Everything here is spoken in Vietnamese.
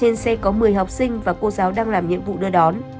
trên xe có một mươi học sinh và cô giáo đang làm nhiệm vụ đưa đón